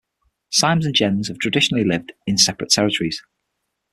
Simes and Gens have traditionally lived in separate territories.